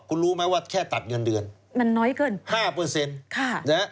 คุณรู้ไหมว่าแค่ตัดเงินเดือนมันน้อยเกิน๕